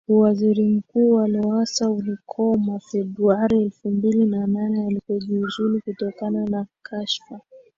Uwaziri mkuu wa Lowassa ulikoma Februari elfu mbili na nane alipojiuzulu kutokana na kashfa